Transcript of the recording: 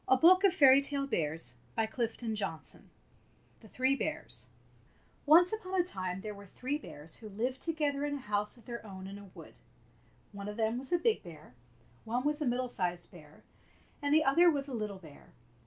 Nankivell THE THREE BEARS A BOOK OF FAIKY TALE BEAKS THE THREE BEARS O NCE upon a time there were three bears who lived together in a house of their own in a wood. One of them was a big bear, and one was a middle sized bear, and the other was a little bear.